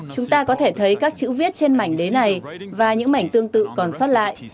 chúng ta có thể thấy các chữ viết trên mảnh đế này và những mảnh tương tự còn sót lại